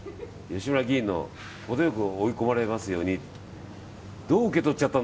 吉村議員の程良く追い込まれますようにって。